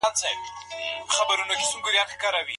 د ژوند مقامونه یوازي لایقو ته نه سي سپارل کېدلای.